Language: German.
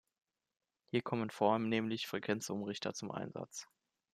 Hier kommen vornehmlich Frequenzumrichter zum Einsatz.